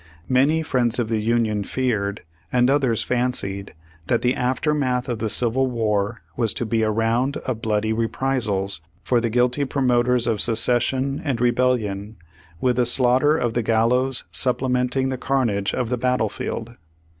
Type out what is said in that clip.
Many friends of the Union feared and others fancied that the aftermath of the Civil War was to be a round of "bloody reprisals" for the guilty promoters of secession and rebellion, with the slaughter of the gallows supplementing the carnage of the battle field.